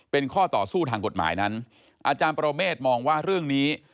เป็นข้อต่อสู้ทางกฎหมายนั้นอาจารย์ปรเมฆมองว่าเรื่องนี้